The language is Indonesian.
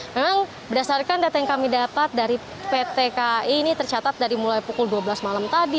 memang berdasarkan data yang kami dapat dari pt kai ini tercatat dari mulai pukul dua belas malam tadi